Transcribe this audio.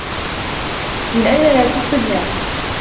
من أين يأتي الصّبيان؟